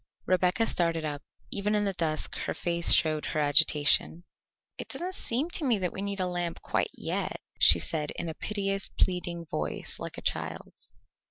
Rebecca started up; even in the dusk her face showed her agitation. "It doesn't seem to me that we need a lamp quite yet," she said in a piteous, pleading voice like a child's.